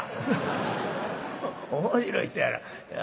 「面白い人やな。